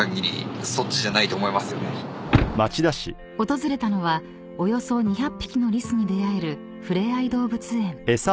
［訪れたのはおよそ２００匹のリスに出合える触れ合い動物園］